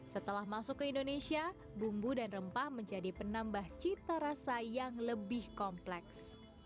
setelah masuk ke indonesia bumbu dan rempah menjadi penambah cita rasa yang lebih kompleks